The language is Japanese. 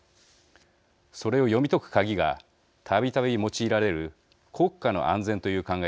それを読み解く鍵がたびたび用いられる「国家の安全」という考え方です。